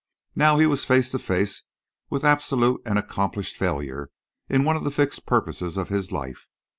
Now he was face to face with absolute and accomplished failure in one of the fixed purposes of his life.